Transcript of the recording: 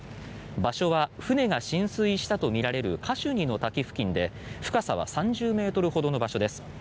場所は、船が浸水したとみられるカシュニの滝付近で深さは３０ｍほどの場所です。